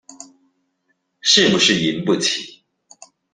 是不是贏不起